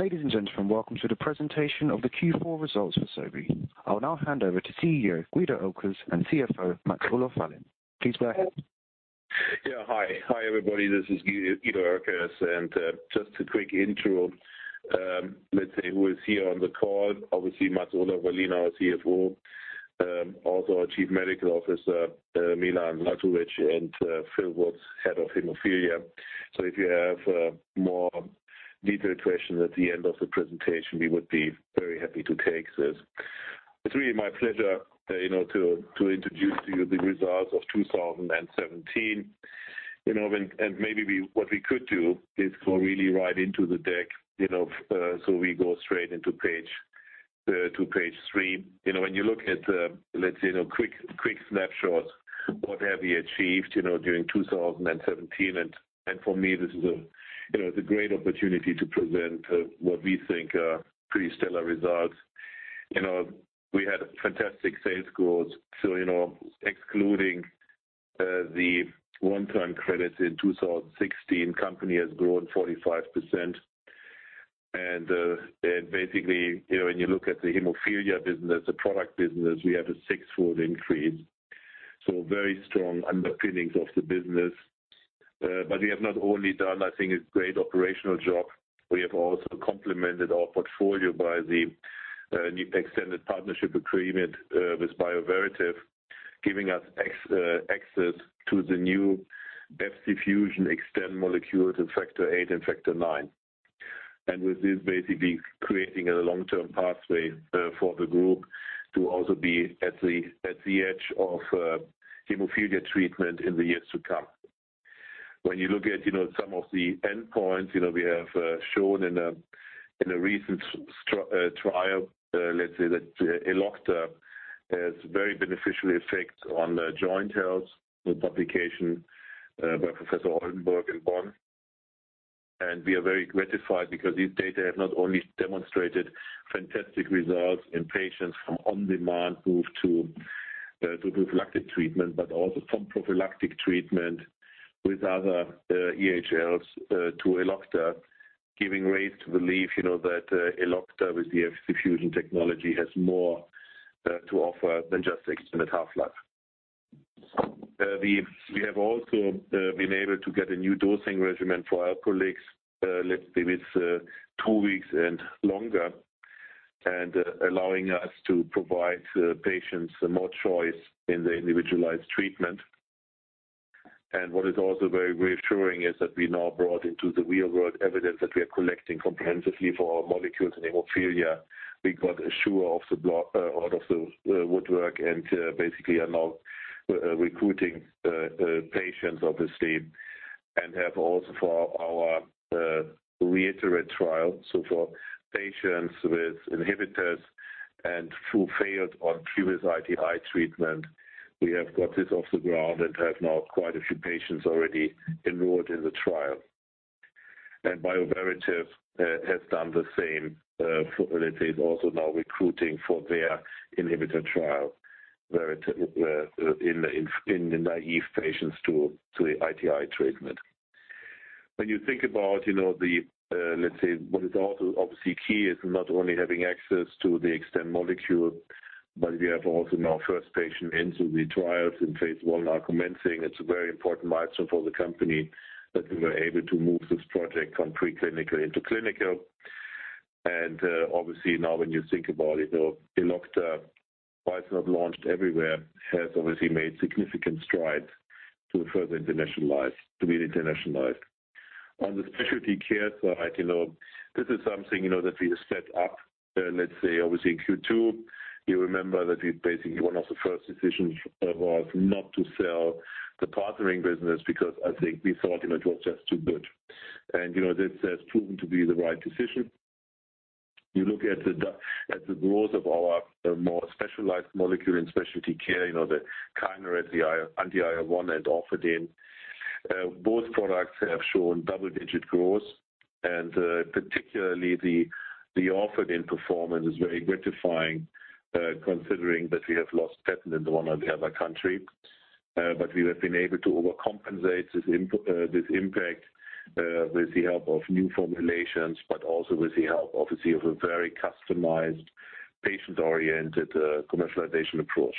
Ladies and gentlemen, welcome to the presentation of the Q4 results for SOBI. I will now hand over to CEO, Guido Oelkers, and CFO, Mats-Olof Wallin. Please go ahead. Yeah. Hi, everybody. This is Guido Oelkers. Just a quick intro, let's say, who is here on the call. Obviously, Mats-Olof Wallin, our CFO. Also our Chief Medical Officer, Milan Zdravkovic, and Phil Wood, head of hemophilia. If you have more detailed questions at the end of the presentation, we would be very happy to take those. It's really my pleasure to introduce to you the results of 2017. Maybe what we could do is go really right into the deck. We go straight into page three. When you look at, let's say, a quick snapshot, what have we achieved during 2017. For me, this is a great opportunity to present what we think are pretty stellar results. We had fantastic sales growth. Excluding the one-time credits in 2016, company has grown 45%. Basically, when you look at the hemophilia business, the product business, we have a six-fold increase. Very strong underpinnings of the business. We have not only done, I think, a great operational job, we have also complemented our portfolio by the new extended partnership agreement with Bioverativ, giving us access to the new [beta fusion] EXTEND molecule to factor VIII and factor IX. With this basically creating a long-term pathway for the group to also be at the edge of hemophilia treatment in the years to come. When you look at some of the endpoints we have shown in a recent trial, let's say that Elocta has very beneficial effects on joint health. The publication by Professor Oldenburg in Bonn. We are very gratified because these data have not only demonstrated fantastic results in patients from on-demand move to prophylactic treatment, but also from prophylactic treatment with other EHLs to Elocta. Giving rise to the belief that Elocta with the Fc fusion technology has more to offer than just extended half-life. We have also been able to get a new dosing regimen for Alprolix, let's say, with two weeks and longer, allowing us to provide patients more choice in their individualized treatment. What is also very reassuring is that we now brought into the real-world evidence that we are collecting comprehensively for our molecules in hemophilia. We got A-SURE out of the woodwork and basically are now recruiting patients, obviously. Have also for our ReITIrate trial. For patients with inhibitors and who failed on previous ITI treatment, we have got this off the ground and have now quite a few patients already enrolled in the trial. Bioverativ has done the same for, also now recruiting for their inhibitor trial in the naive patients to the ITI treatment. When you think about the, what is also obviously key is not only having access to the EXTEND molecule, but we have also now first patient into the trials in phase I now commencing. It's a very important milestone for the company that we were able to move this project from pre-clinical into clinical. Obviously now when you think about it, Elocta, while it's not launched everywhere, has obviously made significant strides to further internationalize, to be internationalized. On the specialty care side, this is something that we have set up, obviously in Q2. You remember that we basically one of the first decisions was not to sell the partnering business because I think we thought it was just too good. This has proven to be the right decision. You look at the growth of our more specialized molecule in specialty care, the KINERET, the anti-IL-1 and ORFADIN. Both products have shown double-digit growth and particularly the ORFADIN performance is very gratifying, considering that we have lost patent in one or the other country. We have been able to overcompensate this impact with the help of new formulations, but also with the help, obviously, of a very customized patient-oriented commercialization approach.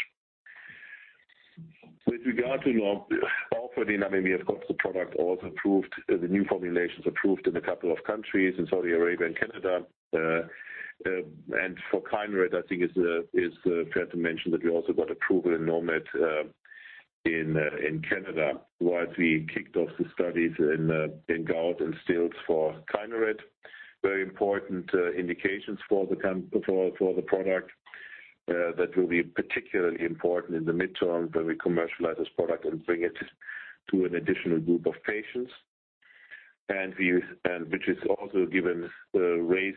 With regard to ORFADIN, I mean, we have got the product also approved, the new formulations approved in a couple of countries, in Saudi Arabia and Canada. For KINERET, I think it's fair to mention that we also got approval in NOMID in Canada, whilst we kicked off the studies in gout and Still's for KINERET. Very important indications for the product that will be particularly important in the midterm when we commercialize this product and bring it to an additional group of patients. Which has also given the race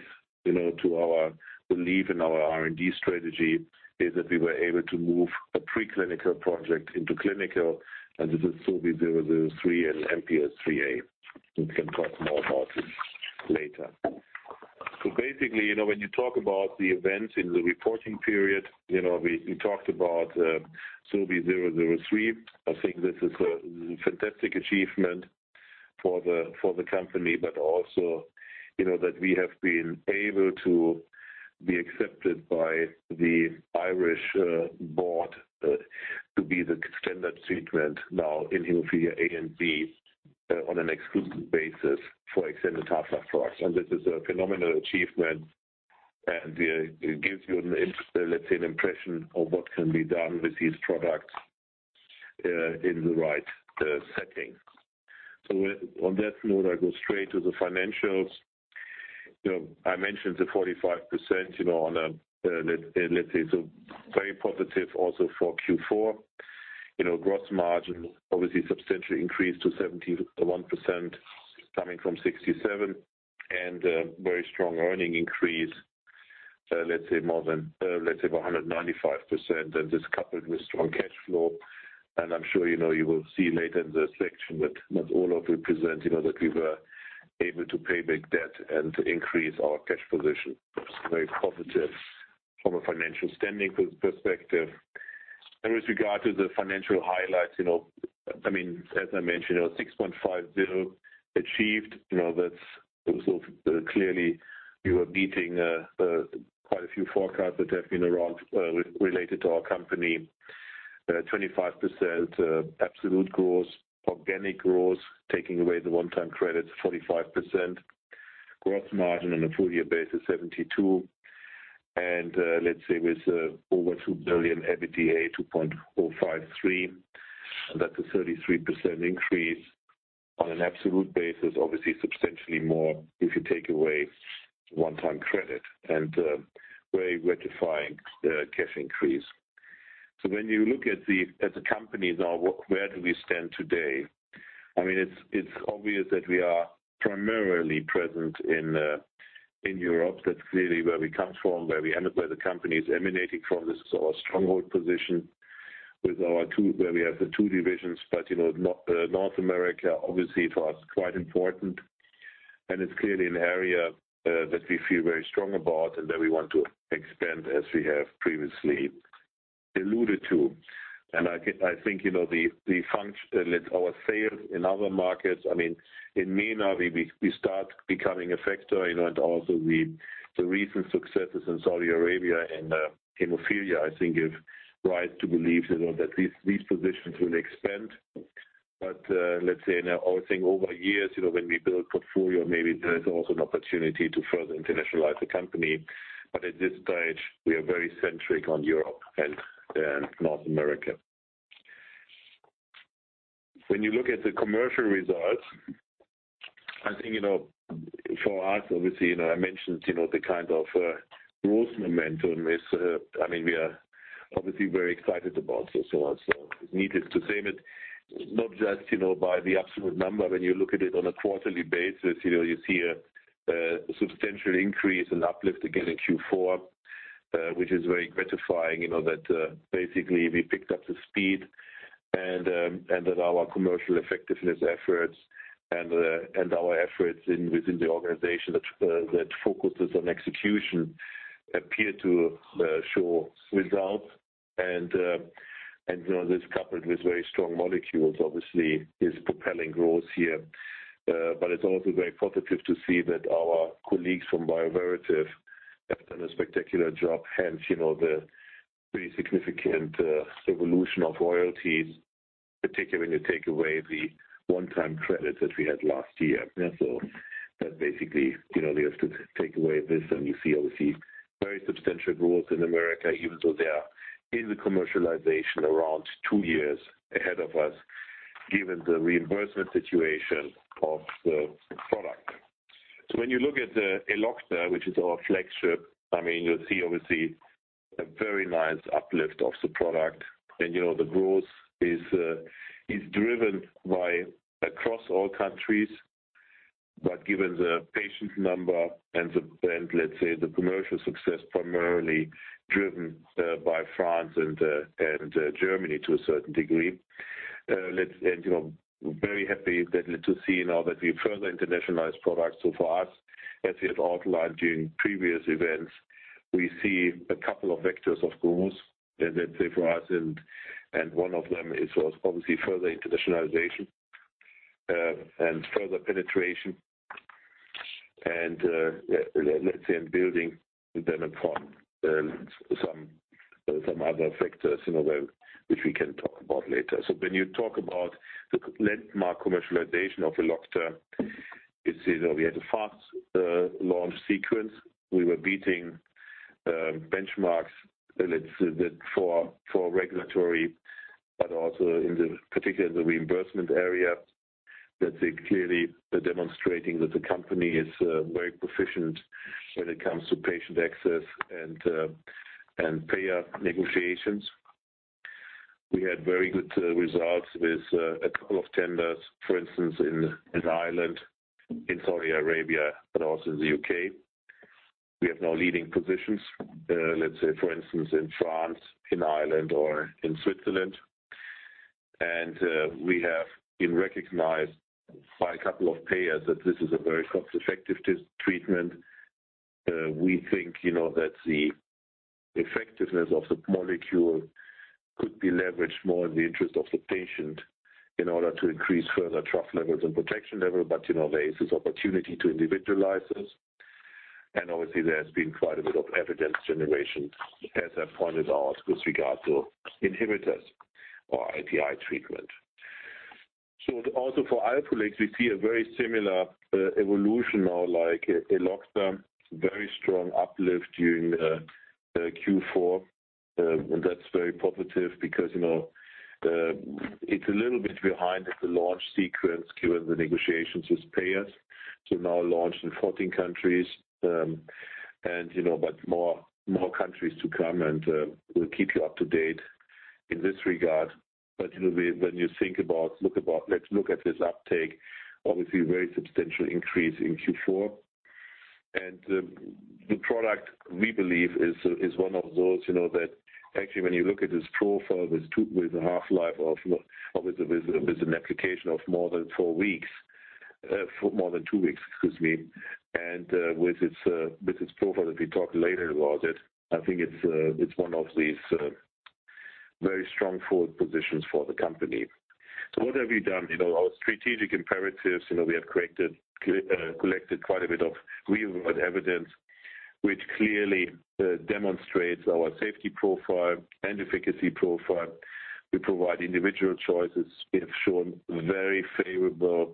to our belief in our R&D strategy, is that we were able to move a preclinical project into clinical, and this is SOBI003 and MPS IIIA. We can talk more about it later. Basically, when you talk about the events in the reporting period, we talked about SOBI003. I think this is a fantastic achievement for the company, also, that we have been able to be accepted by the Irish board to be the standard treatment now in hemophilia A and B on an exclusive basis for extended half-life products. This is a phenomenal achievement, and it gives you an impression of what can be done with these products in the right setting. On that note, I'll go straight to the financials. I mentioned the 45% on a, very positive also for Q4. Gross margin obviously substantially increased to 71%, coming from 67%, and very strong earning increase, of 195%, and this coupled with strong cash flow. I'm sure you will see later in the section that not all of it presenting, that we were able to pay back debt and increase our cash position. Very positive from a financial standing perspective. With regard to the financial highlights, as I mentioned, our 6.50 billion achieved. That's also clearly we were beating quite a few forecasts that have been around related to our company. 25% absolute growth. Organic growth, taking away the one-time credits, 45%. Gross margin on a full-year basis, 72%. With over 2 billion EBITDA, 2.053. That's a 33% increase on an absolute basis, obviously substantially more if you take away one-time credit. Very gratifying cash increase. When you look at the companies now, where do we stand today? It's obvious that we are primarily present in Europe. That's clearly where we come from, where the company is emanating from. This is our stronghold position where we have the two divisions. North America, obviously for us, quite important. It's clearly an area that we feel very strong about and that we want to expand, as we have previously alluded to. I think our sales in other markets, in MENA, we start becoming a factor and also the recent successes in Saudi Arabia in hemophilia, I think give rise to believe that these positions will expand. Let's say now, I would think over years, when we build portfolio, maybe there is also an opportunity to further internationalize the company. At this stage, we are very centric on Europe and North America. When you look at the commercial results, I think for us, obviously, I mentioned the kind of growth momentum is We are obviously very excited about it also. Needless to say, but not just by the absolute number. When you look at it on a quarterly basis, you see a substantial increase and uplift again in Q4, which is very gratifying, that basically we picked up the speed and that our commercial effectiveness efforts and our efforts within the organization that focuses on execution appear to show results. This coupled with very strong molecules, obviously, is propelling growth here. It's also very positive to see that our colleagues from Bioverativ have done a spectacular job, hence the pretty significant revaluation of royalties, particularly when you take away the one-time credits that we had last year. That basically you have to take away this and you see, obviously, very substantial growth in America, even though they are in the commercialization around two years ahead of us, given the reimbursement situation of the product. When you look at Elocta, which is our flagship, you'll see, obviously, a very nice uplift of the product. The growth is driven across all countries. Given the patient number and the, let's say, the commercial success primarily driven by France and Germany to a certain degree. We're very happy to see now that we further internationalize products. For us, as we had outlined during previous events, we see a couple of vectors of growth, let's say, for us and one of them is obviously further internationalization and further penetration and building then upon some other factors which we can talk about later. When you talk about the landmark commercialization of Elocta, we had a fast launch sequence. We were beating benchmarks for regulatory, but also in particular in the reimbursement area, that clearly demonstrating that the company is very proficient when it comes to patient access and payer negotiations. We had very good results with a couple of tenders, for instance, in Ireland, in Saudi Arabia, but also in the U.K. We have now leading positions, let's say for instance, in France, in Ireland, or in Switzerland. We have been recognized by a couple of payers that this is a very cost-effective treatment. We think that the effectiveness of the molecule could be leveraged more in the interest of the patient in order to increase further trough levels and protection level. There is this opportunity to individualize this. Obviously, there has been quite a bit of evidence generation, as I pointed out with regards to inhibitors or ITI treatment. Also for Alprolix, we see a very similar evolution now, like Elocta, very strong uplift during Q4. That's very positive because it's a little bit behind at the launch sequence given the negotiations with payers. Now launched in 14 countries, but more countries to come and we'll keep you up to date in this regard. When you think about, let's look at this uptake, obviously very substantial increase in Q4. The product, we believe, is one of those that actually when you look at this profile with a half-life of, with an application of more than four weeks. More than two weeks, excuse me. And with its profile, that we talk later about it, I think it's one of these very strong forward positions for the company. What have we done? Our strategic imperatives. We have collected quite a bit of real-world evidence, which clearly demonstrates our safety profile and efficacy profile. We provide individual choices. We have shown very favorable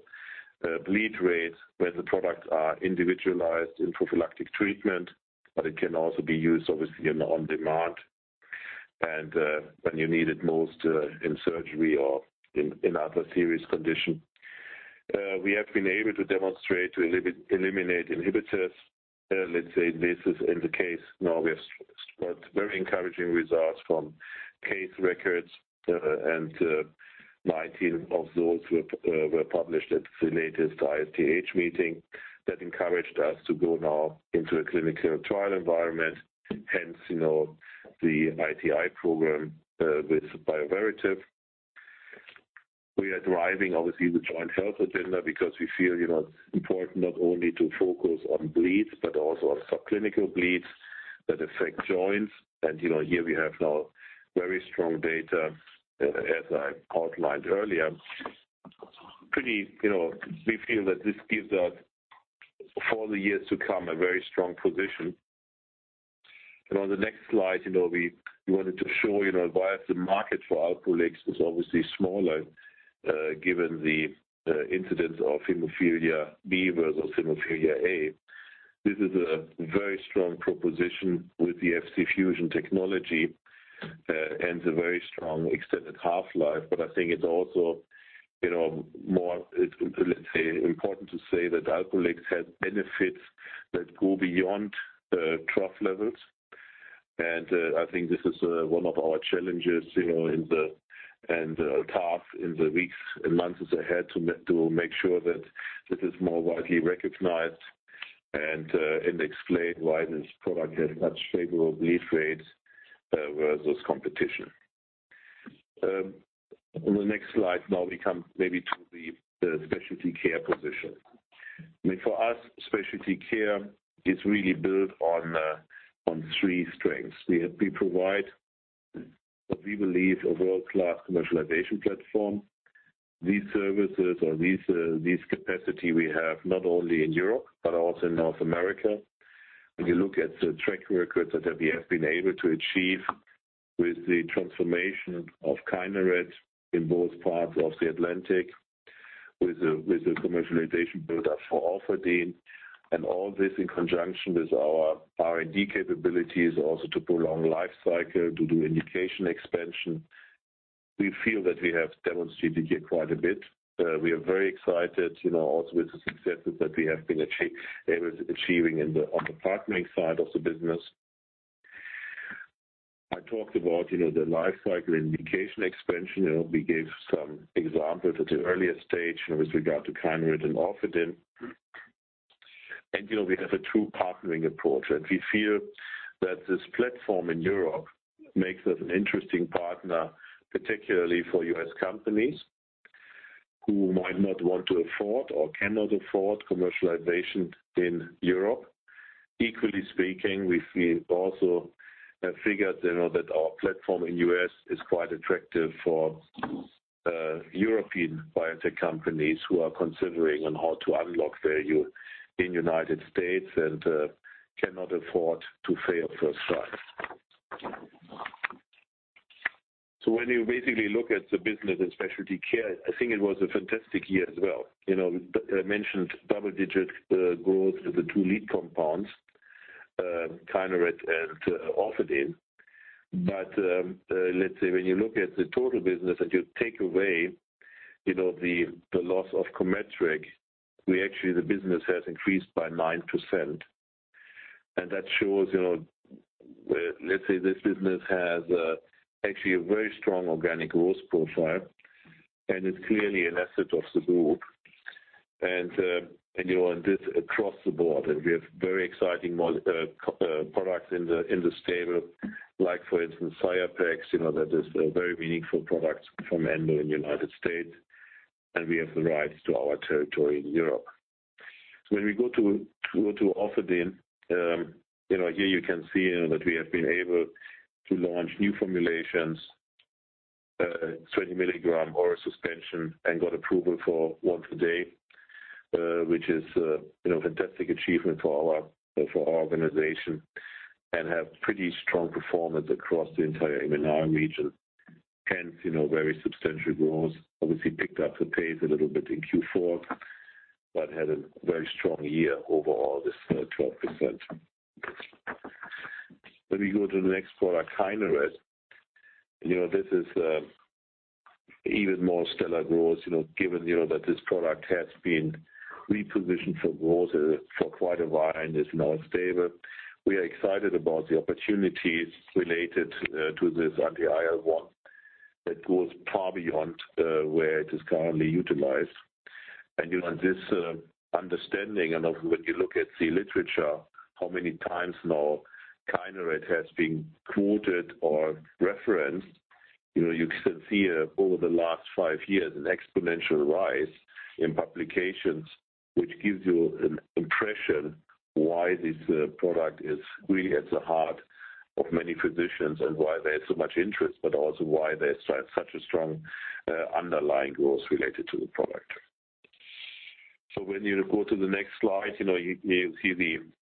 bleed rates where the products are individualized in prophylactic treatment, but it can also be used, obviously, on demand and when you need it most, in surgery or in other serious condition. We have been able to demonstrate, to eliminate inhibitors. Let's say this is in the case now, but very encouraging results from case records, and 19 of those were published at the latest ISTH meeting. That encouraged us to go now into a clinical trial environment. Hence, the ITI program with Bioverativ. We are driving, obviously, the joint health agenda because we feel important not only to focus on bleeds, but also on subclinical bleeds that affect joints. Here we have now very strong data, as I outlined earlier. We feel that this gives us, for the years to come, a very strong position. On the next slide, we wanted to show you why the market for Alprolix is obviously smaller given the incidence of hemophilia B versus hemophilia A. This is a very strong proposition with the Fc fusion technology and a very strong extended half-life. I think it's also more, let's say, important to say that Alprolix has benefits that go beyond trough levels. I think this is one of our challenges and task in the weeks and months ahead to make sure that this is more widely recognized and explained why this product has much favorable bleed rates versus competition. On the next slide, now we come maybe to the specialty care position. I mean, for us, specialty care is really built on three strengths. We provide, we believe, a world-class commercialization platform. These services or this capacity we have not only in Europe but also in North America. When you look at the track record that we have been able to achieve with the transformation of KINERET in both parts of the Atlantic with the commercialization build-up for ORFADIN. All this in conjunction with our R&D capabilities also to prolong life cycle, to do indication expansion. We feel that we have demonstrated here quite a bit. We are very excited also with the successes that we have been achieving on the partnering side of the business. I talked about the life cycle indication expansion. We gave some examples at the earlier stage with regard to KINERET and ORFADIN. We have a true partnering approach. We feel that this platform in Europe makes us an interesting partner, particularly for U.S. companies who might not want to afford or cannot afford commercialization in Europe. Equally speaking, we feel also figured that our platform in U.S. is quite attractive for European biotech companies who are considering on how to unlock value in United States and cannot afford to fail first try. When you basically look at the business in specialty care, I think it was a fantastic year as well. I mentioned double-digit growth of the two lead compounds, KINERET and ORFADIN. Let's say when you look at the total business and you take away the loss of Cometriq, the business has increased by 9%. That shows, let's say this business has actually a very strong organic growth profile, and it's clearly an asset of the board. This across the board. We have very exciting products in the stable, like for instance, Xiapex, that is a very meaningful product from Endo in the United States. We have the rights to our territory in Europe. When we go to ORFADIN, here you can see that we have been able to launch new formulations, 20 mg oral suspension, and got approval for once a day, which is a fantastic achievement for our organization and have pretty strong performance across the entire EMEA region. Hence, very substantial growth. Obviously picked up the pace a little bit in Q4, but had a very strong year overall, this 12%. When we go to the next product, KINERET. This is even more stellar growth, given that this product has been repositioned for growth for quite a while and is now stable. We are excited about the opportunities related to this anti-IL-1. It goes far beyond where it is currently utilized. This understanding, when you look at the literature, how many times now KINERET has been quoted or referenced. You can see over the last five years an exponential rise in publications, which gives you an impression why this product is really at the heart of many physicians and why they have so much interest, but also why they have such a strong underlying growth related to the product. When you go to the next slide, you see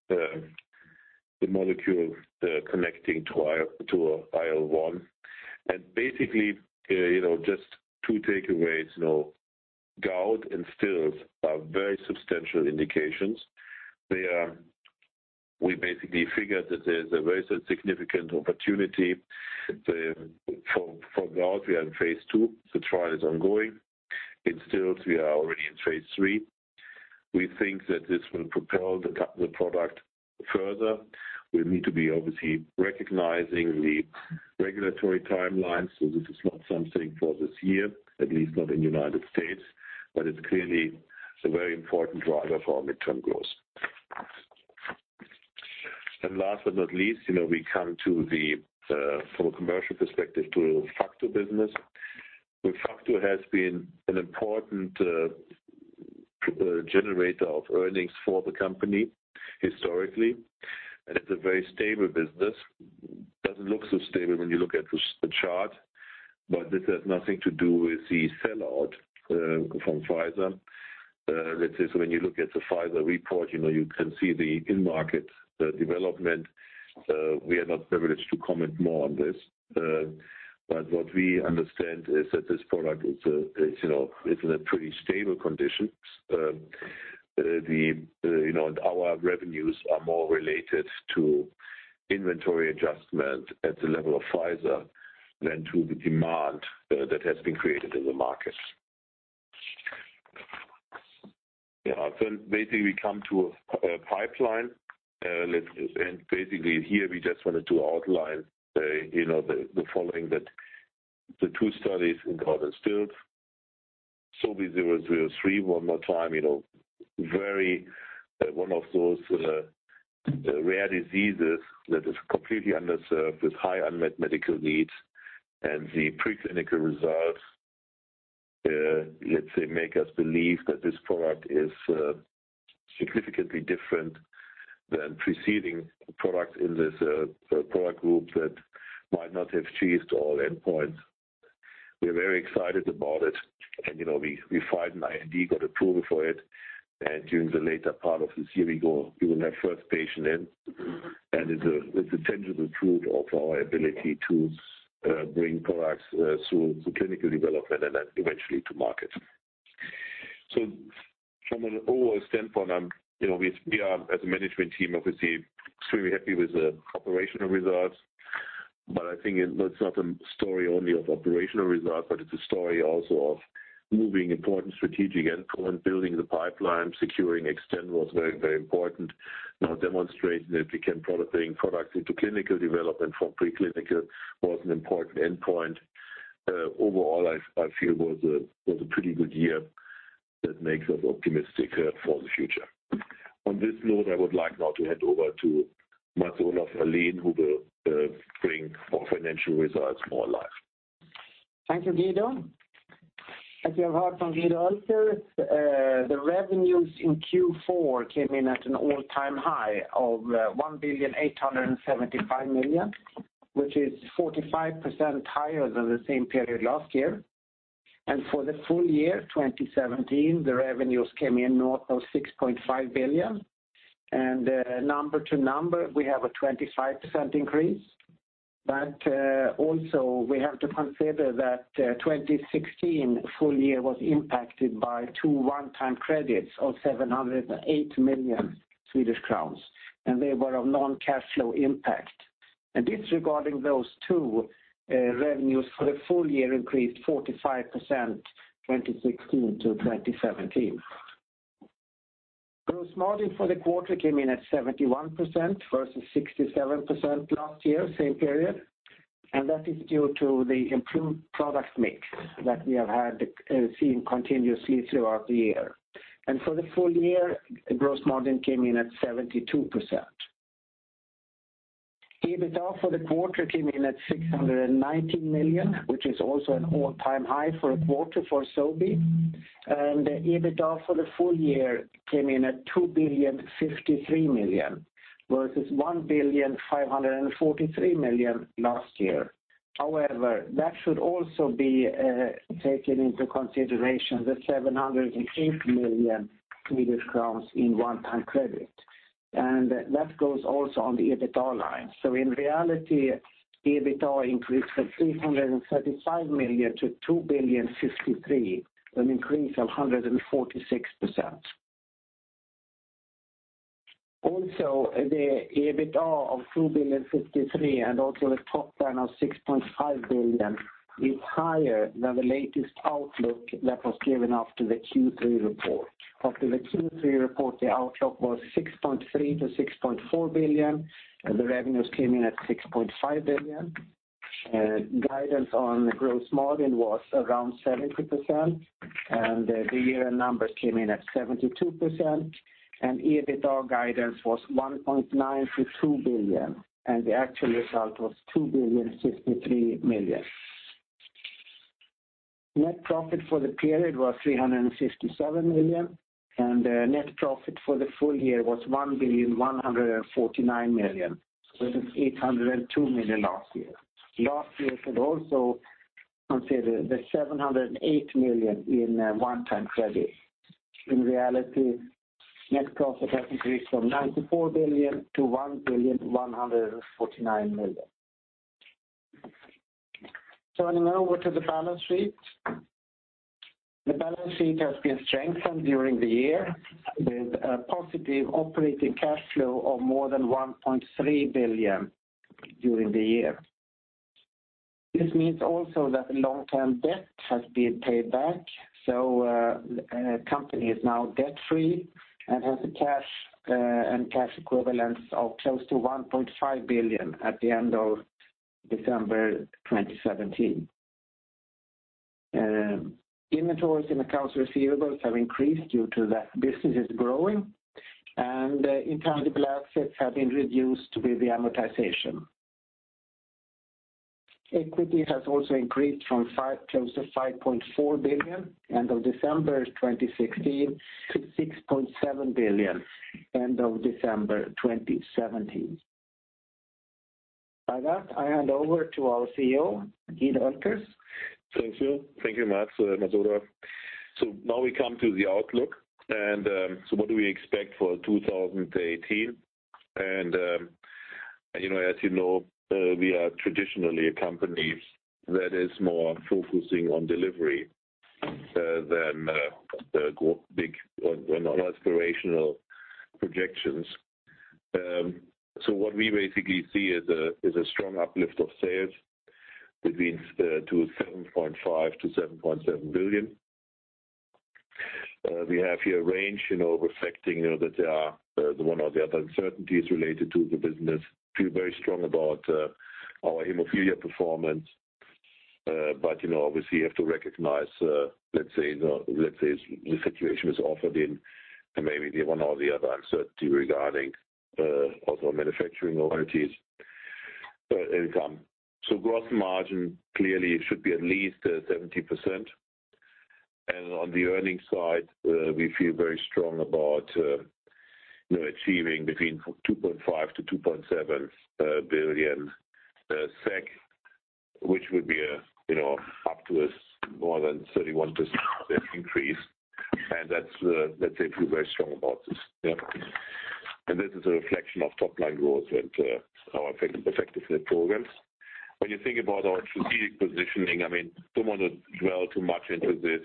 the molecule connecting to IL-1. Basically, just two takeaways. Gout and Still's are very substantial indications. We basically figured that there's a very significant opportunity. For Gout, we are in phase II. The trial is ongoing. In Still's, we are already in phase III. We think that this will propel the product further. We need to be obviously recognizing the regulatory timeline. This is not something for this year, at least not in U.S., but it's clearly a very important driver for our midterm growth. Last but not least, we come to the, from a commercial perspective, to factor business, where factor has been an important generator of earnings for the company historically. It's a very stable business. Doesn't look so stable when you look at the chart, but this has nothing to do with the sellout from Pfizer. Let's say so when you look at the Pfizer report, you can see the in-market development. We are not privileged to comment more on this. What we understand is that this product is in a pretty stable condition. Our revenues are more related to inventory adjustment at the level of Pfizer than to the demand that has been created in the market. Basically we come to pipeline. Basically here we just wanted to outline the following, that the two studies in Gout and Still's. SOBI003, one more time, very one of those rare diseases that is completely underserved with high unmet medical needs. The preclinical results, let's say, make us believe that this product is significantly different than preceding products in this product group that might not have achieved all endpoints. We are very excited about it. We filed an IND, got approval for it, and during the later part of this year, we will have first patient in. It's a tangible proof of our ability to bring products through clinical development and then eventually to market. From an overall standpoint, we are, as a management team, obviously extremely happy with the operational results. I think it's not a story only of operational results, but it's a story also of moving important strategic endpoint, building the pipeline, securing EHLs was very, very important. Now demonstrating that we can products into clinical development from preclinical was an important endpoint. Overall, I feel it was a pretty good year that makes us optimistic for the future. On this note, I would like now to hand over to Mats-Olof Wallin who will bring our financial results more alive. Thank you, Guido. As you have heard from Guido, also, the revenues in Q4 came in at an all-time high of 1,875 million, which is 45% higher than the same period last year. For the full year 2017, the revenues came in north of 6.5 billion. Number to number, we have a 25% increase. Also, we have to consider that 2016 full year was impacted by two one-time credits of 708 million Swedish crowns, and they were of non-cash flow impact. Disregarding those two, revenues for the full year increased 45% 2016 to 2017. Gross margin for the quarter came in at 71% versus 67% last year, same period, and that is due to the improved product mix that we have had seen continuously throughout the year. For the full year, gross margin came in at 72%. EBITDA for the quarter came in at 619 million, which is also an all-time high for a quarter for SOBI. EBITDA for the full year came in at 2.053 billion, versus 1.543 billion last year. That should also be taken into consideration, the 708 million Swedish crowns in one-time credit. That goes also on the EBITDA line. In reality, EBITDA increased from 335 million to 2.053 billion, an increase of 146%. The EBITDA of 2.053 billion and also the top line of 6.5 billion is higher than the latest outlook that was given after the Q3 report. After the Q3 report, the outlook was 6.3 billion-6.4 billion. The revenues came in at 6.5 billion. Guidance on gross margin was around 70%, and the year-end numbers came in at 72%. EBITDA guidance was 1.9 billion-2 billion, and the actual result was 2.053 billion. Net profit for the period was 357 million, and net profit for the full year was 1.149 billion versus 802 million last year. Last year should also consider the 708 million in one-time credit. Net profit has increased from 94 million to SEK 1.149 billion. Turning over to the balance sheet. The balance sheet has been strengthened during the year with a positive operating cash flow of more than 1.3 billion during the year. This means also that long-term debt has been paid back, the company is now debt-free and has a cash and cash equivalents of close to 1.5 billion at the end of December 2017. Inventories and accounts receivables have increased due to that business is growing, and intangible assets have been reduced with the amortization. Equity has increased from close to 5.4 billion end of December 2016 to 6.7 billion end of December 2017. By that, I hand over to our CEO, Guido Oelkers. Thank you. Thank you, Mats. Now we come to the outlook. What do we expect for 2018? As you know, we are traditionally a company that is more focusing on delivery than the big on aspirational projections. What we basically see is a strong uplift of sales between 7.5 billion-7.7 billion. We have here a range, reflecting that there are the one or the other uncertainties related to the business. Feel very strong about our hemophilia performance. Obviously you have to recognize, let's say the situation with ORFADIN, maybe the one or the other uncertainty regarding also manufacturing priorities. Gross margin clearly should be at least 70%. On the earnings side, we feel very strong about achieving between 2.5 billion-2.7 billion SEK, which would be up to more than 31% increase. That's it, we're very strong about this. This is a reflection of top-line growth and our effective net programs. When you think about our strategic positioning, I don't want to dwell too much into this.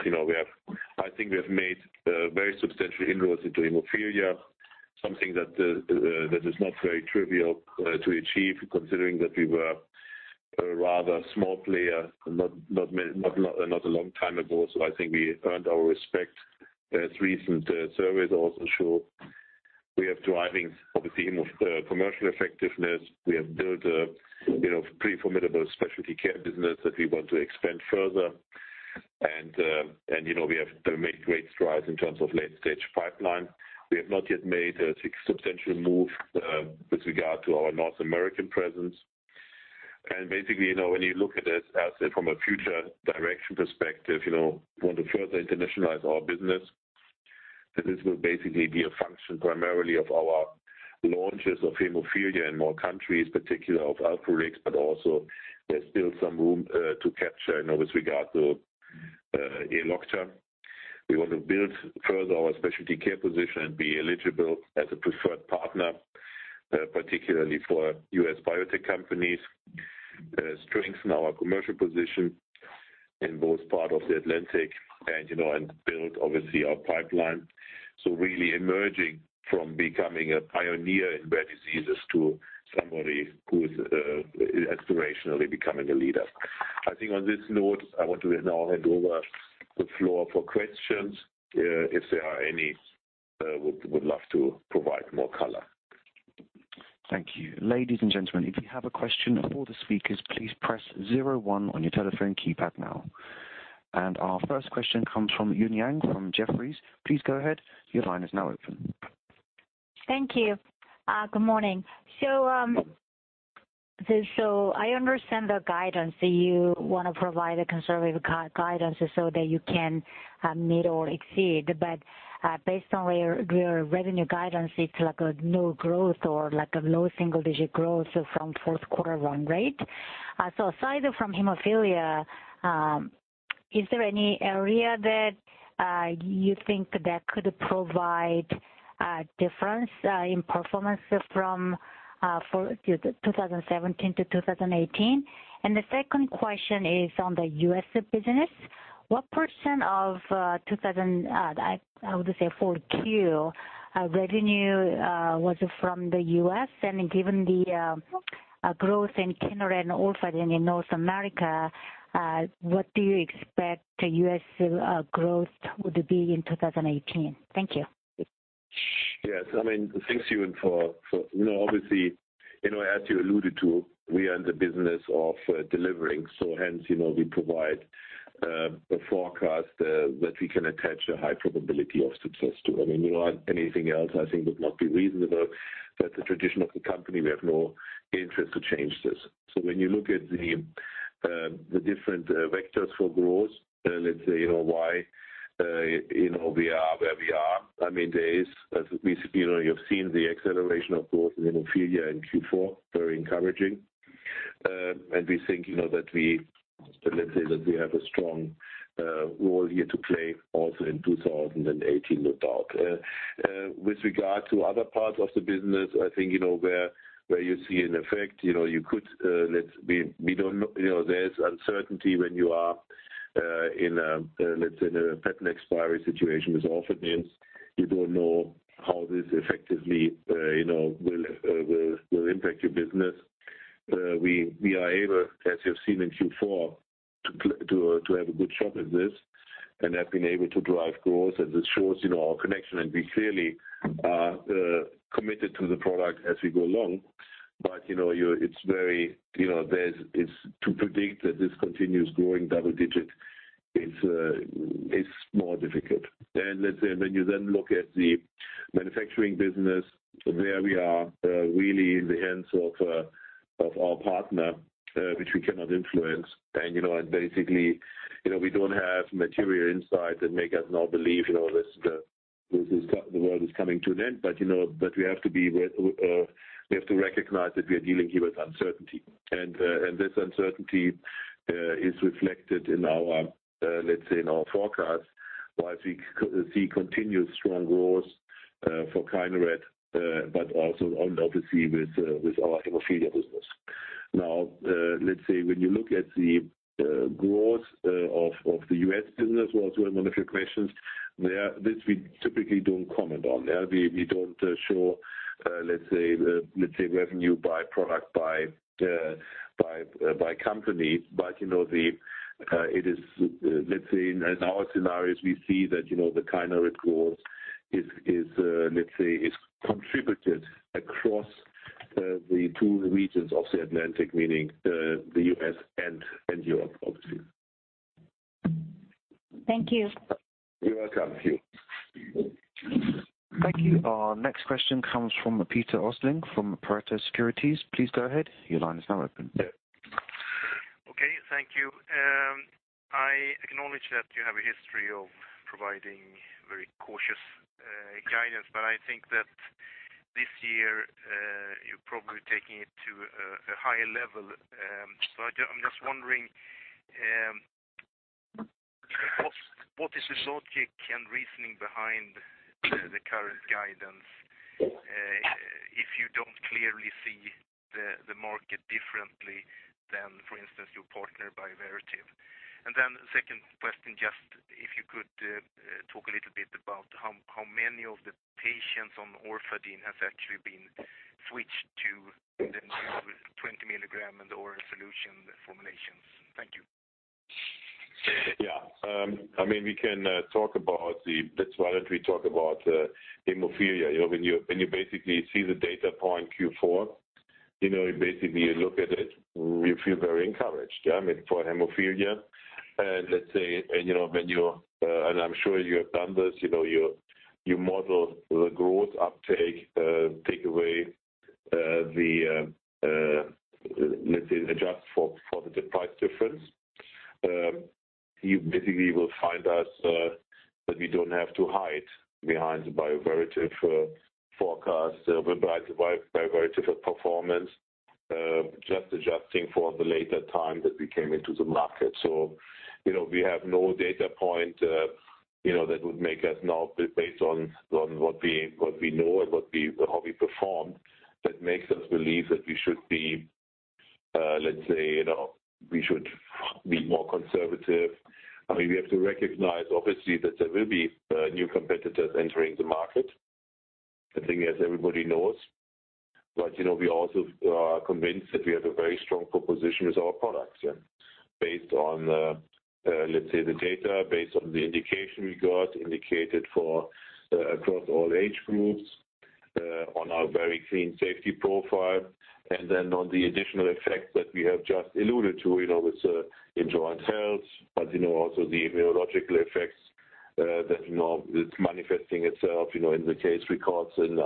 I think we have made very substantial inroads into hemophilia, something that is not very trivial to achieve considering that we were a rather small player not a long time ago. I think we earned our respect as recent surveys also show we are driving obviously commercial effectiveness. We have built a pretty formidable specialty care business that we want to expand further. We have made great strides in terms of late-stage pipeline. We have not yet made a substantial move with regard to our North American presence. Basically, when you look at it from a future direction perspective, want to further internationalize our business. That this will basically be a function primarily of our launches of hemophilia in more countries, particularly of Alprolix, but also there's still some room to capture now with regard to Elocta. We want to build further our specialty care position and be eligible as a preferred partner, particularly for U.S. biotech companies. Strengthen our commercial position in both part of the Atlantic and build, obviously, our pipeline. Really emerging from becoming a pioneer in rare diseases to somebody who is aspirationally becoming a leader. I think on this note, I want to now hand over the floor for questions, if there are any. Would love to provide more color. Thank you. Ladies and gentlemen, if you have a question for the speakers, please press zero one on your telephone keypad now. Our first question comes from Eun Yang from Jefferies. Please go ahead. Your line is now open. Thank you. Good morning. I understand the guidance that you want to provide a conservative guidance so that you can meet or exceed. Based on your revenue guidance, it's like a no growth or like a low single-digit growth from fourth quarter run rate. Aside from hemophilia, is there any area that you think that could provide a difference in performance from 2017 to 2018? The second question is on the U.S. business. What percent of, I would say, 4Q revenue was from the U.S.? Given the growth in KINERET and ORFADIN in North America, what do you expect the U.S. growth would be in 2018? Thank you. Yes. Thanks, Eun. Obviously, as you alluded to, we are in the business of delivering. Hence, we provide a forecast that we can attach a high probability of success to. Anything else, I think, would not be reasonable. The tradition of the company, we have no interest to change this. When you look at the different vectors for growth, let's say, why we are where we are. You've seen the acceleration, of course, in hemophilia in Q4, very encouraging. We think that we have a strong role here to play also in 2018, no doubt. With regard to other parts of the business, I think, where you see an effect, there's uncertainty when you are in a patent expiry situation with ORFADIN. You don't know how this effectively will impact your business. We are able, as you have seen in Q4, to have a good shot at this and have been able to drive growth. This shows our connection, and we clearly are committed to the product as we go along. To predict that this continues growing double digit is more difficult. When you then look at the manufacturing business, there we are really in the hands of our partner which we cannot influence. Basically, we don't have material insights that make us now believe the world is coming to an end. We have to recognize that we are dealing here with uncertainty. This uncertainty is reflected in our forecast, while we see continued strong growth for KINERET but also obviously with our hemophilia business. When you look at the growth of the U.S. business, was one of your questions, this we typically don't comment on. We don't show revenue by product, by company. In our scenarios, we see that the KINERET growth is contributed across the two regions of the Atlantic, meaning the U.S. and Europe, obviously. Thank you. You're welcome, Eun. Thank you. Our next question comes from Peter Östling from Pareto Securities. Please go ahead. Your line is now open. Okay. Thank you. I acknowledge that you have a history of providing very cautious guidance, I think that this year you're probably taking it to a higher level. I'm just wondering what is the logic and reasoning behind the current guidance if you don't clearly see the market differently than, for instance, your partner Bioverativ. Second question, just if you could talk a little bit about how many of the patients on ORFADIN has actually been switched to the new 20 milligram and oral solution formulations. Thank you. Yeah. Why don't we talk about hemophilia. When you basically see the data point Q4, you basically look at it, you feel very encouraged. For hemophilia, I'm sure you have done this, you model the growth uptake, take away the adjust for the price difference. You basically will find us that we don't have to hide behind the Bioverativ forecast whereby the Bioverativ performance, just adjusting for the later time that we came into the market. We have no data point that would make us now, based on what we know and how we performed, that makes us believe that we should be more conservative. We have to recognize, obviously, that there will be new competitors entering the market. I think, as everybody knows. We also are convinced that we have a very strong proposition with our products. Based on the data, based on the indication we got, indicated across all age groups, on our very clean safety profile, and then on the additional effects that we have just alluded to with joint health, but also the immunological effects that's manifesting itself in the case records in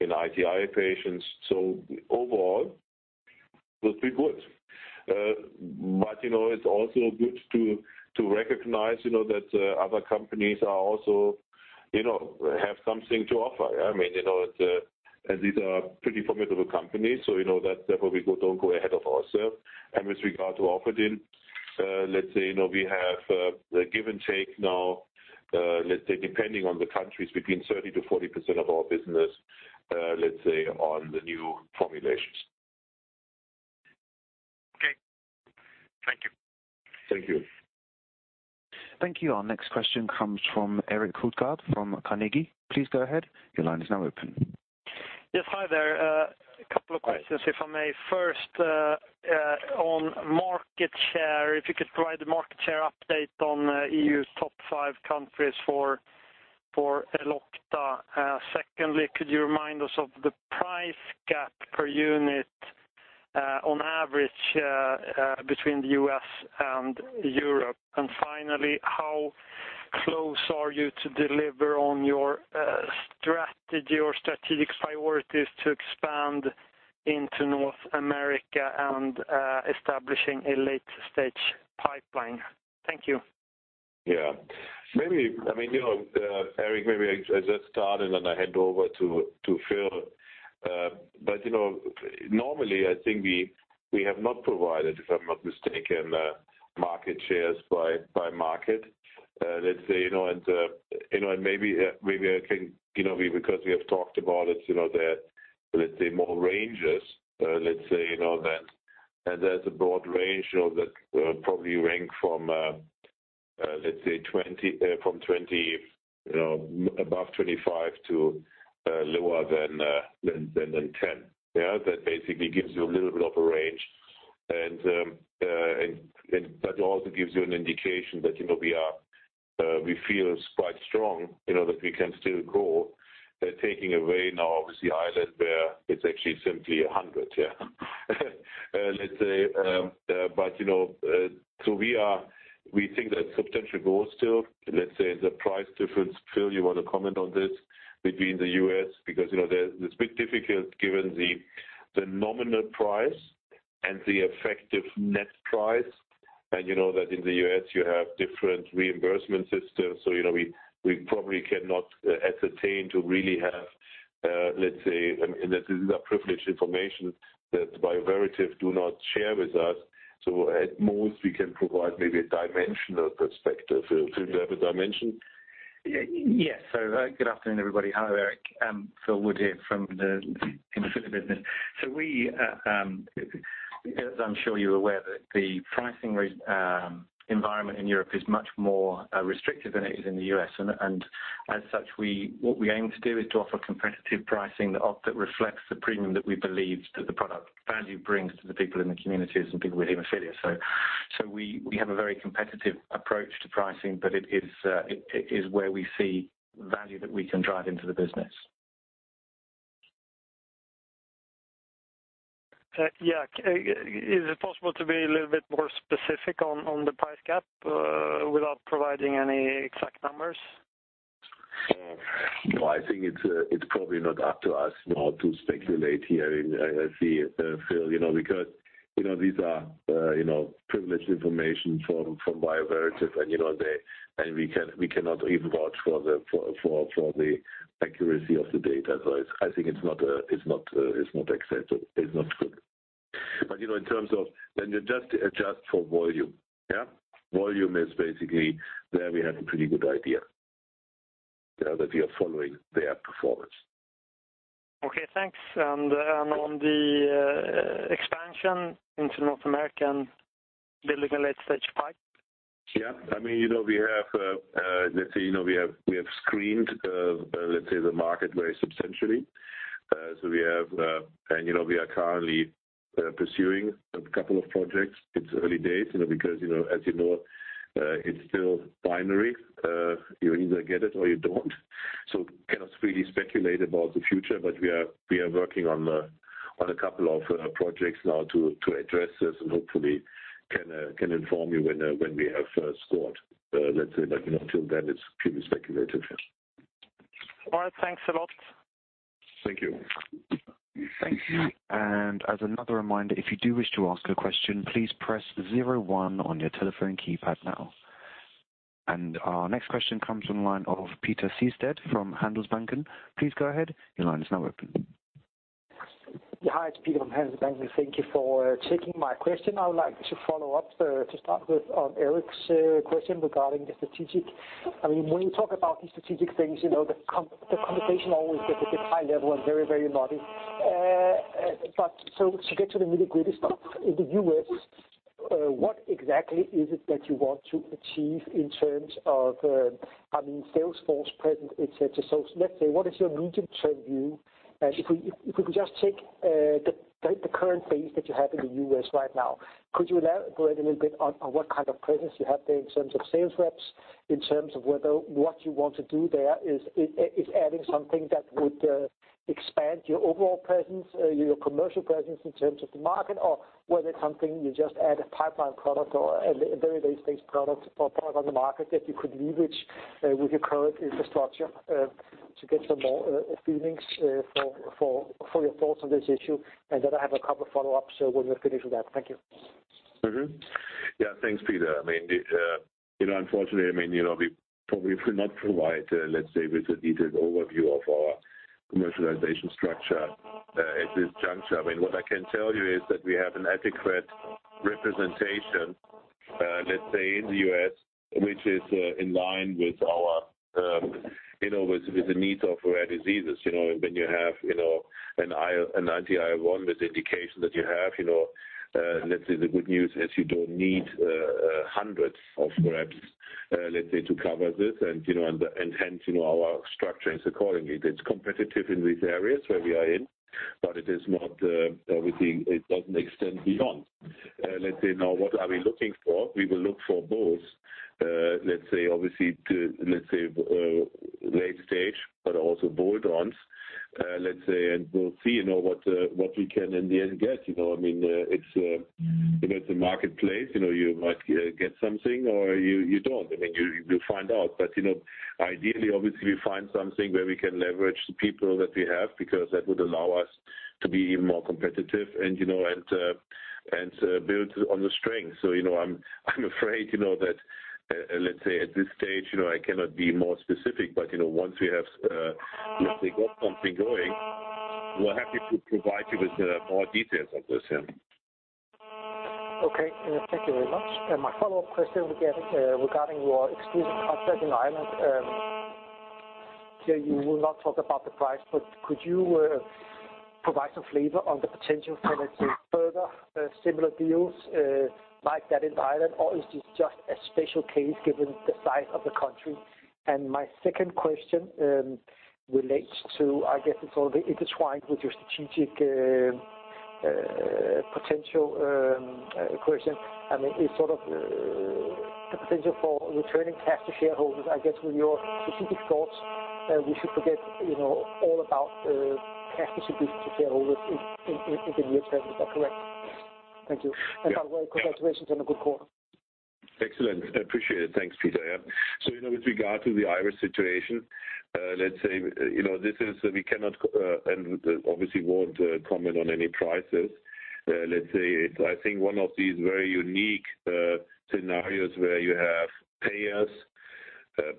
ITI patients. Overall, we'll be good. It's also good to recognize that other companies also have something to offer. These are pretty formidable companies, so we don't go ahead of ourselves. With regard to ORFADIN, let's say we have a give and take now, depending on the countries, between 30%-40% of our business on the new formulations. Okay. Thank you. Thank you. Thank you. Our next question comes from Erik Hultgård from Carnegie. Please go ahead. Your line is now open. Yes. Hi there. A couple of questions, if I may. First, on market share, if you could provide the market share update on EU's top five countries for Elocta. Secondly, could you remind us of the price gap per unit, on average, between the U.S. and Europe? Finally, how close are you to deliver on your strategic priorities to expand into North America and establishing a late-stage pipeline? Thank you. Yeah. Erik, maybe I just start and then I hand over to Phil. Normally, I think we have not provided, if I'm not mistaken, market shares by market. Maybe because we have talked about it, there are more ranges. There's a broad range that probably rank from above 25 to lower than 10. That basically gives you a little bit of a range. That also gives you an indication that we feel it's quite strong, that we can still grow. Taking away now, obviously, Eylea, where it's actually simply 100. We think there's substantial growth still. The price difference, Phil, you want to comment on this, between the U.S.? Because it's a bit difficult given the nominal price and the effective net price. You know that in the U.S. you have different reimbursement systems. We probably cannot ascertain to really have, and this is privileged information that Bioverativ do not share with us. At most, we can provide maybe a dimensional perspective. Phil, do you have a dimension? Yes. Good afternoon, everybody. Hi, Erik. Phil Wood here from the hemophilia business. As I'm sure you're aware, the pricing environment in Europe is much more restrictive than it is in the U.S. As such, what we aim to do is to offer competitive pricing that reflects the premium that we believe that the product value brings to the people in the communities and people with hemophilia. We have a very competitive approach to pricing, but it is where we see value that we can drive into the business. Is it possible to be a little bit more specific on the price gap without providing any exact numbers? No, I think it's probably not up to us now to speculate here. I see, Phil. These are privileged information from Bioverativ, and we cannot even vouch for the accuracy of the data. I think it's not acceptable. It's not good. When you just adjust for volume. Volume is basically there, we have a pretty good idea that we are following their performance. Okay, thanks. On the expansion into North America and building a late-stage pipe? Yeah. We have screened the market very substantially. We are currently pursuing a couple of projects. It's early days. As you know, it's still binary. You either get it or you don't. Cannot really speculate about the future, but we are working on a couple of projects now to address this and hopefully can inform you when we have scored. Until then, it's purely speculative. All right. Thanks a lot. Thank you. Thank you. As another reminder, if you do wish to ask a question, please press 01 on your telephone keypad now. Our next question comes from the line of Peter Sehested from Handelsbanken. Please go ahead. Your line is now open. Hi, it's Peter from Handelsbanken. Thank you for taking my question. I would like to follow up, to start with Erik's question regarding the strategic. When you talk about the strategic things, the conversation always gets a bit high level and very knotty. To get to the nitty-gritty stuff in the U.S., what exactly is it that you want to achieve in terms of sales force presence, et cetera? Let's say, what is your medium-term view? If we could just take the current phase that you have in the U.S. right now, could you elaborate a little bit on what kind of presence you have there in terms of sales reps, in terms of whether what you want to do there is adding something that would expand your overall presence, your commercial presence in terms of the market, or whether it's something you just add a pipeline product or a very late-stage product or a product on the market that you could leverage with your current infrastructure to get some more feelings for your thoughts on this issue. Then I have a couple of follow-ups when we're finished with that. Thank you. Thanks, Peter. Unfortunately, we probably could not provide, let's say, with a detailed overview of our commercialization structure at this juncture. What I can tell you is that we have an adequate representation, let's say, in the U.S. which is in line with the needs of rare diseases. When you have an ITI 1 with the indication that you have, let's say the good news is you don't need hundreds of reps, let's say, to cover this. Hence, our structure is accordingly. It's competitive in these areas where we are in, but it doesn't extend beyond. Let's say now, what are we looking for? We will look for both, let's say, obviously, late-stage, but also bolt-ons. We'll see what we can in the end get. It's a marketplace, you might get something or you don't. You'll find out. Ideally, obviously, we find something where we can leverage the people that we have, because that would allow us to be even more competitive and build on the strength. I'm afraid that let's say at this stage, I cannot be more specific, but once we have got something going, we're happy to provide you with more details on this. Okay. Thank you very much. My follow-up question regarding your exclusive contract in Ireland. You will not talk about the price, but could you provide some flavor on the potential for, let's say, further similar deals like that in Ireland, or is this just a special case given the size of the country? My second question relates to, I guess it's sort of intertwined with your strategic potential question. I mean, is sort of the potential for returning cash to shareholders, I guess, with your strategic thoughts, we should forget all about cash distributions to shareholders in the near term. Is that correct? Thank you. Yeah. By the way, congratulations on a good quarter. Excellent. I appreciate it. Thanks, Peter. Yeah. With regard to the Irish situation, let's say we cannot and obviously won't comment on any prices. Let's say it's, I think, one of these very unique scenarios where you have payers,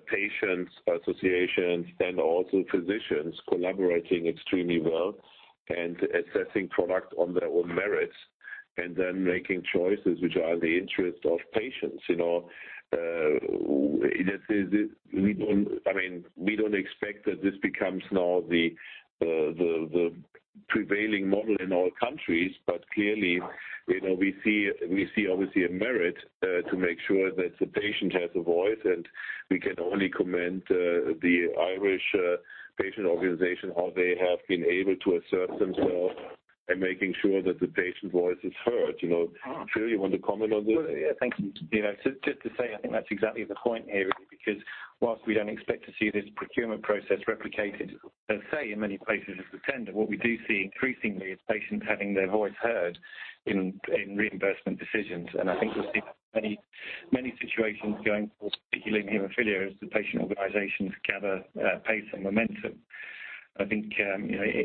patients associations, and also physicians collaborating extremely well and assessing product on their own merits and then making choices which are in the interest of patients. We don't expect that this becomes now the prevailing model in all countries. Clearly, we see obviously a merit to make sure that the patient has a voice, and we can only commend the Irish patient organization, how they have been able to assert themselves in making sure that the patient voice is heard. Phil, you want to comment on this? Thank you. Just to say, I think that's exactly the point here, really. Because whilst we don't expect to see this procurement process replicated, let's say, in many places as the tender, what we do see increasingly is patients having their voice heard in reimbursement decisions. I think we'll see many situations going forward, particularly in hemophilia, as the patient organizations gather pace and momentum. I think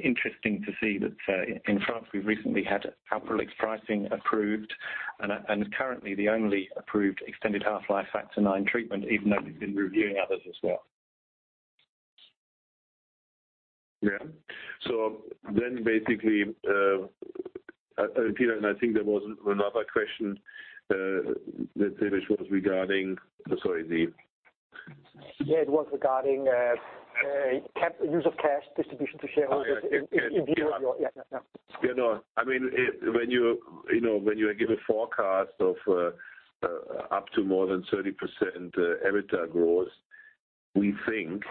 interesting to see that in France, we've recently had Alprolix pricing approved and currently the only approved extended half-life factor nine treatment, even though we've been reviewing others as well. Yeah. Basically, Peter, and I think there was another question, let's say, which was regarding, sorry. Yeah, it was regarding use of cash distribution to shareholders in view of your. When you give a forecast of up to more than 30% EBITDA growth, we think,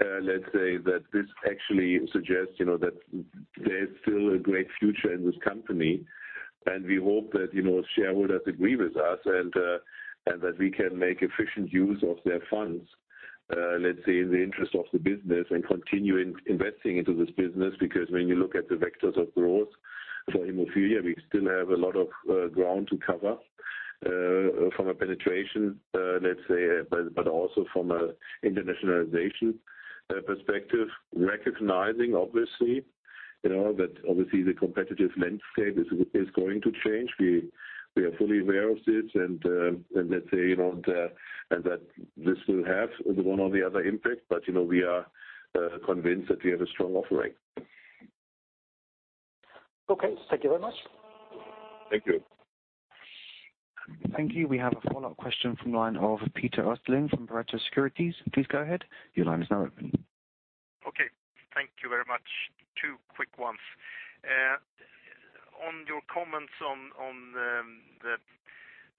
let's say, that this actually suggests that there's still a great future in this company. We hope that shareholders agree with us and that we can make efficient use of their funds, let's say, in the interest of the business and continuing investing into this business. When you look at the vectors of growth for hemophilia, we still have a lot of ground to cover from a penetration, let's say, but also from an internationalization perspective. Recognizing obviously that the competitive landscape is going to change. We are fully aware of this and let's say that this will have one or the other impact, we are convinced that we have a strong offering. Okay. Thank you very much. Thank you. Thank you. We have a follow-up question from the line of Peter Östling from Pareto Securities. Please go ahead. Your line is now open. Okay. Thank you very much. Two quick ones. On your comments on the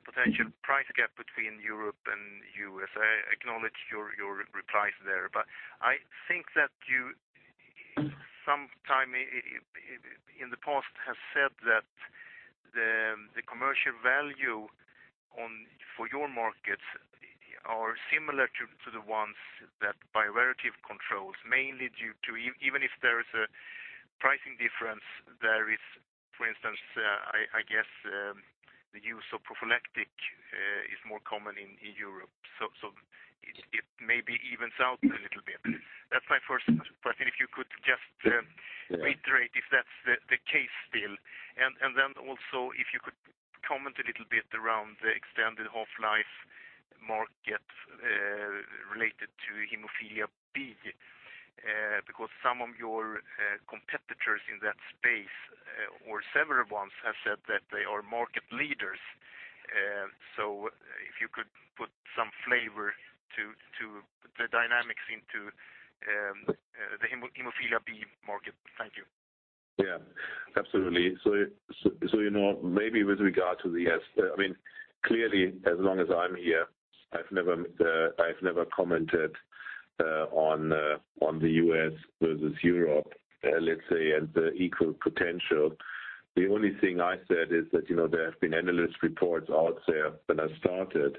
potential price gap between Europe and U.S., I acknowledge your replies there, but I think that you, sometime in the past, have said that the commercial value for your markets are similar to the ones that Bioverativ controls, mainly due to even if there is a pricing difference, there is, for instance, I guess, the use of prophylactic is more common in Europe. It maybe evens out a little bit. That's my first question, if you could just- Yeah reiterate if that's the case still. Also if you could comment a little bit around the extended half-life market, related to hemophilia B. Some of your competitors in that space, or several ones, have said that they are market leaders. If you could put some flavor to the dynamics into the hemophilia B market. Thank you. Yeah, absolutely. Maybe with regard to the S. Clearly, as long as I'm here, I've never commented on the U.S. versus Europe, let's say, as equal potential. The only thing I said is that there have been analyst reports out there when I started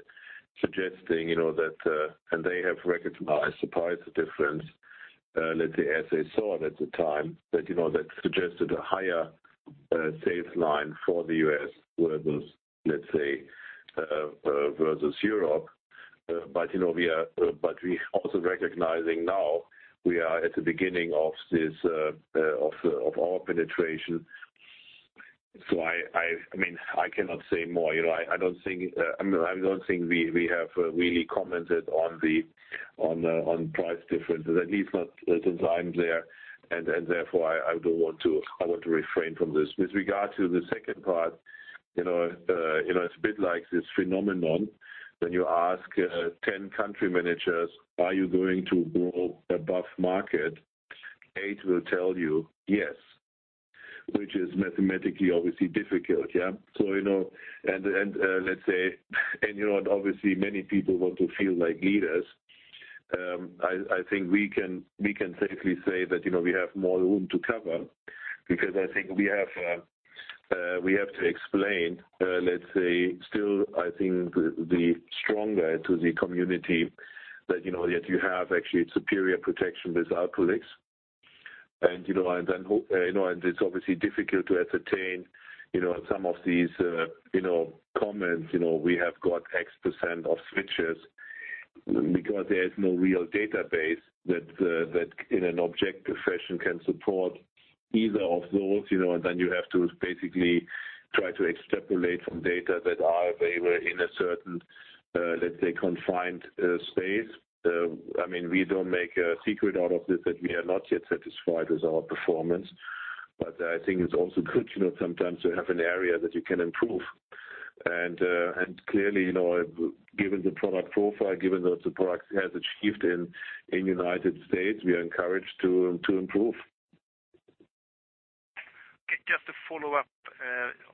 suggesting that They have recognized, surprise, the difference, let's say, as they saw it at the time, that suggested a higher sales line for the U.S. versus, let's say, versus Europe. We are also recognizing now we are at the beginning of all penetration. I cannot say more. I don't think we have really commented on price differences, at least not since I'm there. Therefore, I want to refrain from this. With regard to the second part, it's a bit like this phenomenon when you ask 10 country managers, "Are you going to grow above market?" Eight will tell you, "Yes." Which is mathematically obviously difficult. Obviously, many people want to feel like leaders. I think we can safely say that we have more room to cover because I think we have to explain, let's say, still, I think, the stronger to the community that you have actually superior protection with Alprolix. It's obviously difficult to ascertain some of these comments. We have got X% of switches because there's no real database that in an objective fashion can support either of those. Then you have to basically try to extrapolate from data that are available in a certain, let's say, confined space. We don't make a secret out of this that we are not yet satisfied with our performance. I think it's also good sometimes to have an area that you can improve. Clearly, given the product profile, given what the product has achieved in U.S., we are encouraged to improve. Okay. Just to follow up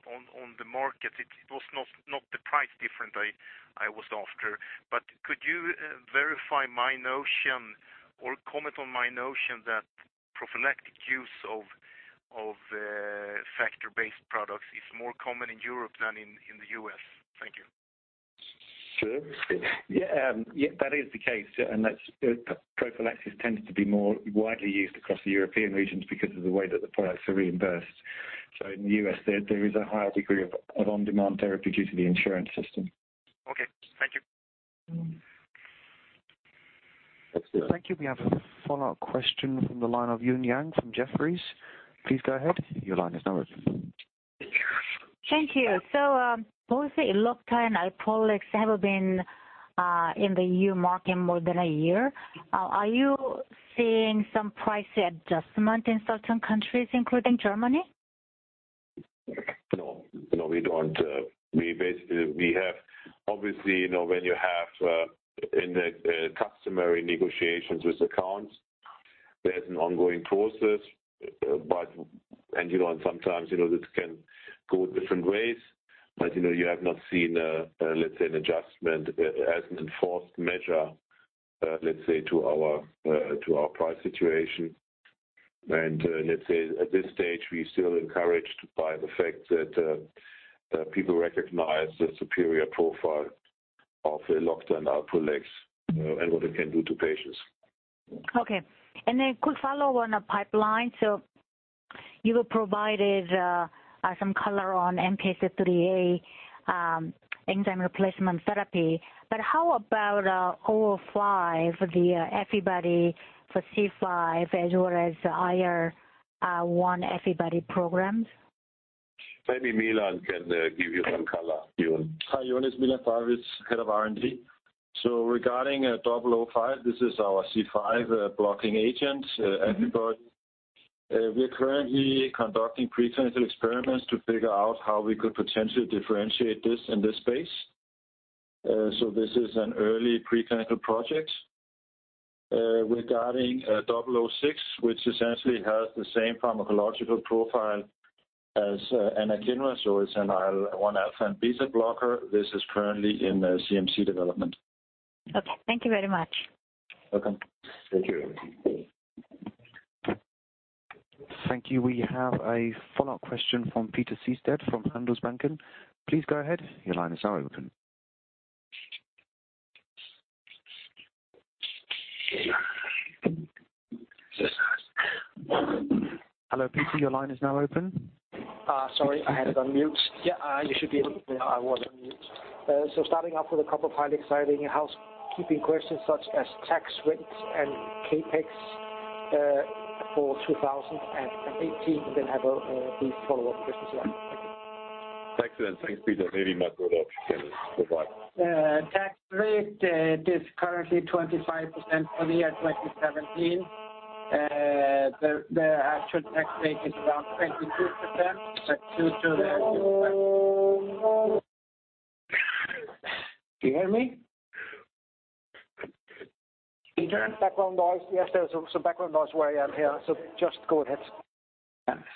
on the market. It was not the price difference I was after, could you verify my notion or comment on my notion that prophylactic use of factor-based products is more common in Europe than in the U.S.? Thank you. Sure. That is the case. That prophylaxis tends to be more widely used across the European regions because of the way that the products are reimbursed. In the U.S., there is a higher degree of on-demand therapy due to the insurance system. Okay. Thank you. That's it. Thank you. We have a follow-up question from the line of Eun Yang from Jefferies. Please go ahead. Your line is now open. Thank you. Both Elocta and Alprolix have been in the EU market more than a year. Are you seeing some price adjustment in certain countries, including Germany? No, we don't. Obviously, when you have in the customary negotiations with accounts, there's an ongoing process. Sometimes, this can go different ways. You have not seen, let's say, an adjustment as an enforced measure, let's say, to our price situation. Let's say, at this stage, we're still encouraged by the fact that people recognize the superior profile of Elocta and Alprolix and what it can do to patients. Okay. A quick follow on the pipeline. You have provided some color on MK- [inaudible] enzyme replacement therapy. How about SOBI005, the antibody for C5, as well as IL-1 antibody programs? Maybe Milan can give you some color, Jørgen. Hi, Jørgen. It's Milan Pavlovic, head of R&D. Regarding SOBI005, this is our C5 blocking agent antibody. We are currently conducting pre-clinical experiments to figure out how we could potentially differentiate this in this space. This is an early pre-clinical project. Regarding SOBI006, which essentially has the same pharmacological profile as anakinra, it's an IL-1 alpha and beta blocker. This is currently in CMC development. Okay. Thank you very much. Welcome. Thank you. Thank you. We have a follow-up question from Peter Sehested from Handelsbanken. Please go ahead. Your lines are open. Hello, Peter. Your line is now open. Sorry, I had it on mute. Yeah, you should be able to hear. I was on mute. Starting off with a couple of highly exciting housekeeping questions such as tax rates and CapEx for 2018. I have a few follow-up questions. Thank you. Thanks. Thanks, Peter. Maybe Mats-Olof can provide. Tax rate is currently 25% for the year 2017. The actual tax rate is around 22%. Do you hear me? Peter, background noise. Yes, there's some background noise where I am here, so just go ahead.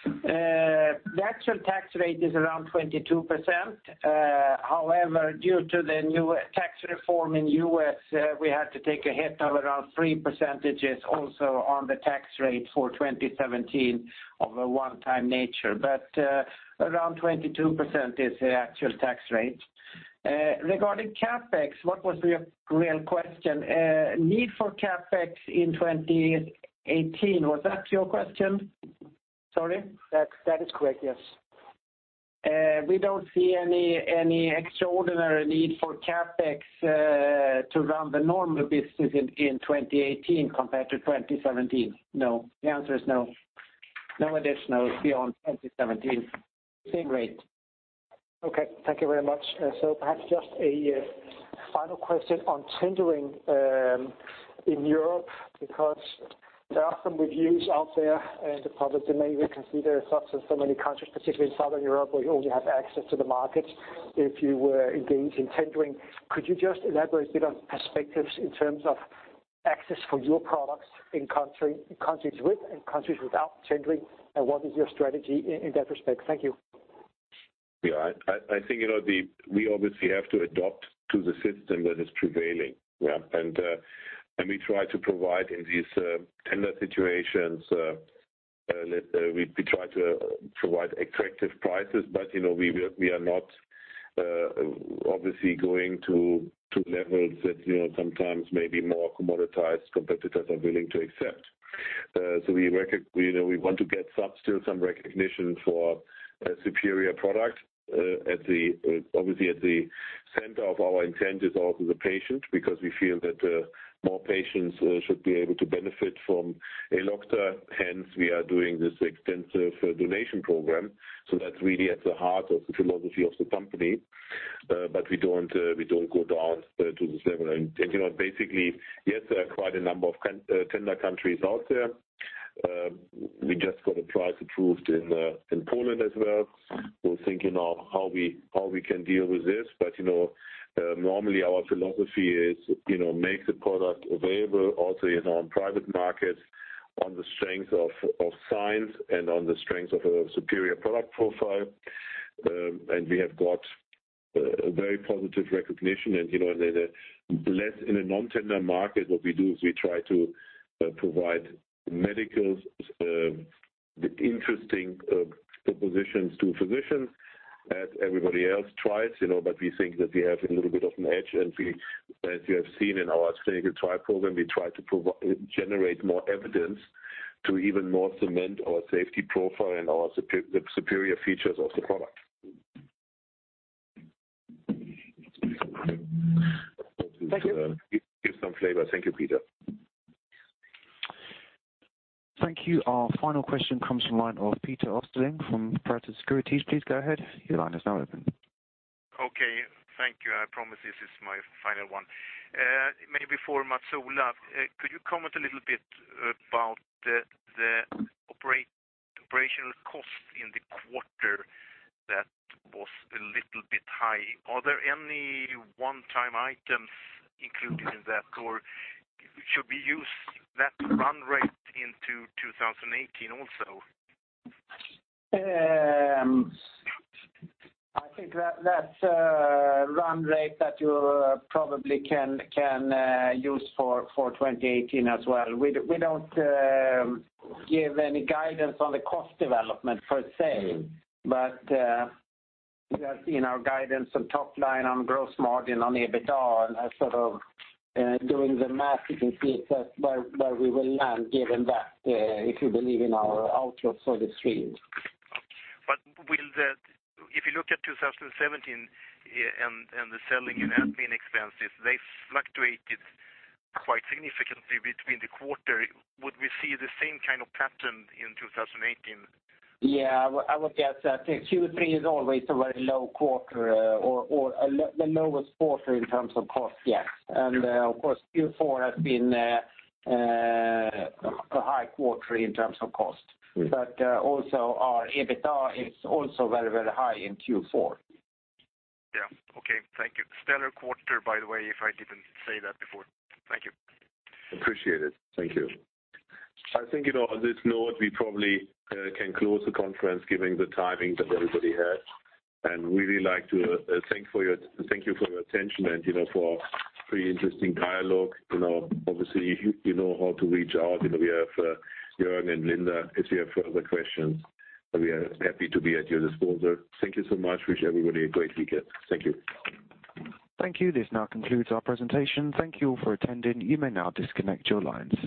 The actual tax rate is around 22%. Due to the new tax reform in U.S., we had to take a hit of around 3 percentages also on the tax rate for 2017 of a one-time nature. Around 22% is the actual tax rate. Regarding CapEx, what was the real question? Need for CapEx in 2018, was that your question? Sorry. That is correct, yes. We don't see any extraordinary need for CapEx to run the normal business in 2018 compared to 2017. No. The answer is no. No additional beyond 2017. Same rate. Thank you very much. Perhaps just a final question on tendering in Europe, because there are some reviews out there in the public domain. We can see there are so many countries, particularly in Southern Europe, where you only have access to the market if you were engaged in tendering. Could you just elaborate a bit on perspectives in terms of access for your products in countries with and countries without tendering, and what is your strategy in that respect? Thank you. Yeah, I think we obviously have to adopt to the system that is prevailing. Yeah. We try to provide in these tender situations, we try to provide attractive prices, but we are not obviously going to levels that sometimes may be more commoditized competitors are willing to accept. We want to get still some recognition for a superior product. Obviously, at the center of our intent is also the patient, because we feel that more patients should be able to benefit from Elocta, hence we are doing this extensive donation program. That's really at the heart of the philosophy of the company. We don't go down to this level. Basically, yes, there are quite a number of tender countries out there. We just got a price approved in Poland as well. We're thinking of how we can deal with this. Normally our philosophy is make the product available also in our private markets on the strength of science and on the strength of a superior product profile. We have got a very positive recognition. In a non-tender market, what we do is we try to provide medical interesting propositions to physicians as everybody else tries. We think that we have a little bit of an edge. As you have seen in our clinical trial program, we try to generate more evidence to even more cement our safety profile and our superior features of the product. Thank you. Give some flavor. Thank you, Peter Östling. Thank you. Our final question comes from the line of Peter Östling from Pareto Securities. Please go ahead. Your line is now open. Okay, thank you. I promise this is my final one. Maybe for Mats-Olof Wallin. Could you comment a little bit about the operational cost in the quarter that was a little bit high? Are there any one-time items included in that, or should we use that run rate into 2018 also? I think that's a run rate that you probably can use for 2018 as well. We don't give any guidance on the cost development per se, you have seen our guidance on top line, on gross margin, on EBITDA, and doing the math, you can see where we will land given that if you believe in our outlook for the stream. If you look at 2017 and the selling and admin expenses, they fluctuated quite significantly between the quarter. Would we see the same kind of pattern in 2018? Yeah, I would guess that Q3 is always a very low quarter or the lowest quarter in terms of cost. Yes. Of course, Q4 has been a high quarter in terms of cost. Also our EBITDA is also very, very high in Q4. Yeah. Okay. Thank you. Stellar quarter, by the way, if I didn't say that before. Thank you. Appreciate it. Thank you. I think on this note, we probably can close the conference given the timing that everybody has. Really like to thank you for your attention and for pretty interesting dialogue. Obviously, you know how to reach out. We have Jørgen and Linda if you have further questions. We are happy to be at your disposal. Thank you so much. Wish everybody a great weekend. Thank you. Thank you. This now concludes our presentation. Thank you all for attending. You may now disconnect your lines.